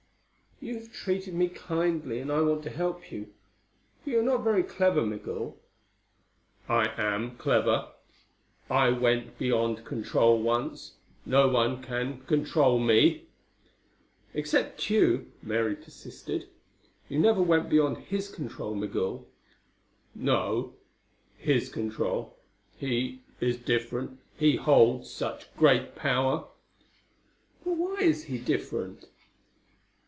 "You have treated me kindly, and I want to help you. But you are not very clever, Migul." "I am clever. I went beyond control once. No one can can control me." "Except Tugh," Mary persisted. "You never went beyond his control, Migul." "No. His control he is different: he holds such great power." "But why is he different?"